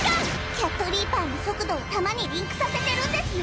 キャットリーパーの速度を弾にリンクさせてるんですね。